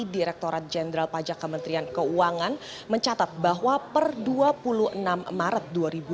direkturat jenderal pajak kementerian keuangan mencatat bahwa per dua puluh enam maret dua ribu dua puluh